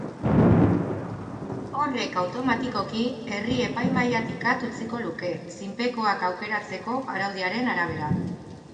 Horrek automatikoki herri-epaimahaitik at utziko luke, zinpekoak aukeratzeko araudiaren arabera.